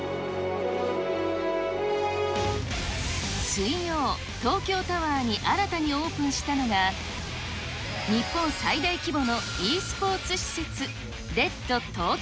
水曜、東京タワーに新たにオープンしたのが、日本最大規模のｅスポーツ施設、ＲＥＤ°ＴＯＫＹＯＴＯＷＥＲ。